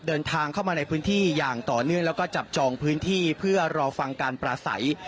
เดินทางเข้ามาในพื้นที่อย่างต่อเนื่องแล้วก็จับจองพื้นที่เพื่อรอฟังการปราศัย